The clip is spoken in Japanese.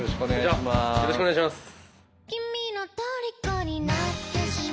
よろしくお願いします。